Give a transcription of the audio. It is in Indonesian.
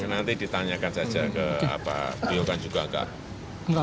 nanti ditanyakan saja ke biokan juga pak